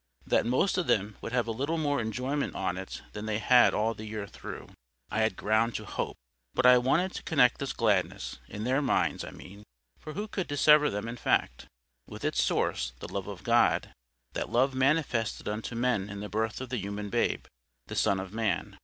That most of them would have a little more enjoyment on it than they had had all the year through, I had ground to hope; but I wanted to connect this gladness—in their minds, I mean, for who could dissever them in fact?—with its source, the love of God, that love manifested unto men in the birth of the Human Babe, the Son of Man.